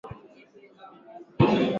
Rais ameshiriki mkutano wa umoja wa Mataifa